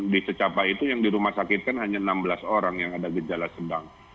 di secapa itu yang dirumah sakitkan hanya enam belas orang yang ada gejala sedang